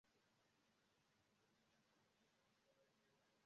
Origine ĉizitaj el ligno, ili nun estas faritaj el plasto.